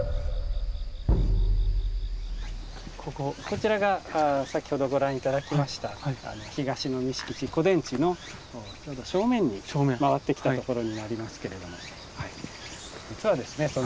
こちらが先ほどご覧頂きました東の御敷地古殿地のちょうど正面に回ってきたところになりますけれども実はですね